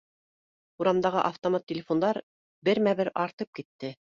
Урамдағы автомат телефондар бермә-бер артып китте